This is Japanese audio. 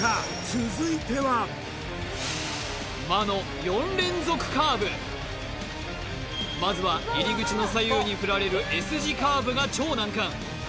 続いてはまずは入り口の左右に振られるＳ字カーブが超難関